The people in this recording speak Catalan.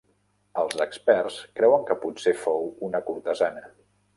Els experts creuen que pot ser fou una cortesana.